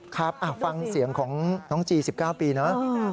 ครับฟังเสียงของน้องจี๑๙ปีนะ